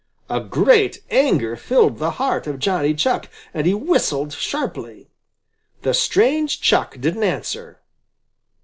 A great anger filled the heart of Johnny Chuck, and he whistled sharply. The strange Chuck didn't answer.